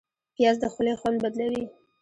پیاز د خولې خوند بدلوي